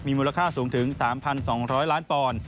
มูลค่าสูงถึง๓๒๐๐ล้านปอนด์